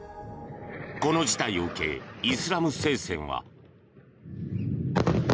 この事態を受けイスラム聖戦は。